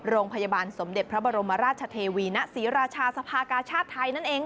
โรงพยาบาลสมเด็จพระบรมราชเทวีณศรีราชาสภากาชาติไทยนั่นเอง